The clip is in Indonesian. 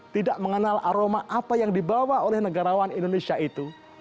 tidak mengenal aroma apa yang dibawa oleh negarawan indonesia itu